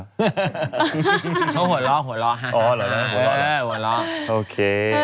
เขาหัวล้อหัวล้อหัวล้อโอเค